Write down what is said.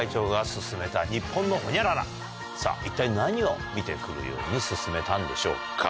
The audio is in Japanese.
さぁ一体何を見てくるように勧めたんでしょうか？